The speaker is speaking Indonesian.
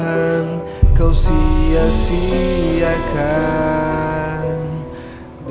assalamualaikum warahmatullahi wabarakatuh